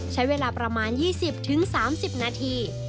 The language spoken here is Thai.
ใช้เวลาประมาณ๒๐๓๐นาที